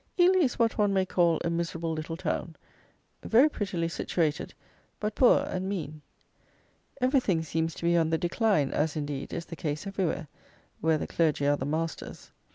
Ely is what one may call a miserable little town: very prettily situated, but poor and mean. Everything seems to be on the decline, as, indeed, is the case everywhere, where the clergy are the masters.